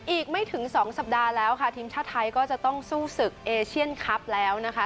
อีกไม่ถึงสองสัปดาห์แล้วค่ะทีมชาติไทยก็จะต้องสู้ศึกเอเชียนคลับแล้วนะคะ